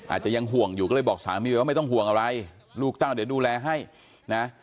อาจจะยังห่วงอยู่ก็เลยบอกสามีว่าไม่ต้องห่วงอะไรลูกเต้าเดี๋ยวดูแลให้นะ